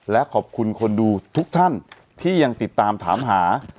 และขอบคุณคนดูทุกท่านที่ยังติดตามถามหา